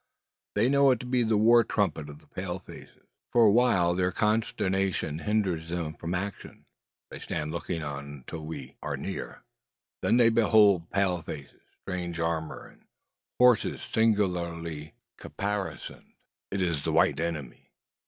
They know it to be the war trumpet of the pale faces! For awhile their consternation hinders them from action. They stand looking on until we are near. Then they behold pale faces, strange armour, and horses singularly caparisoned. It is the white enemy!